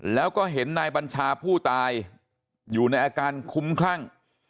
แล้วก็เห็นนายบัญชาผู้ตายอยู่ในอาการคุ้มคลั่ง